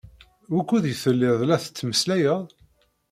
Wukud i telliḍ la tettmeslayeḍ?